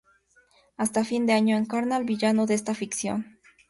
Hasta fin de año encarna al villano de esta ficción.